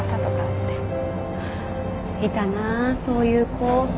いたなそういう子。